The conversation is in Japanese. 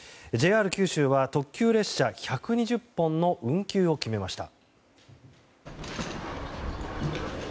ＪＲ九州は特急列車１２０本の運休を決めました。